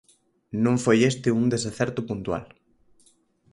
Non foi este un desacerto puntual.